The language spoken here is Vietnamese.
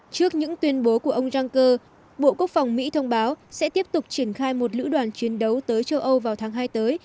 trước những tuyên bố của ông juncker bộ quốc phòng mỹ thông báo sẽ tiếp tục triển khai một lữ đoàn chiến đấu tới châu âu vào tháng hai tới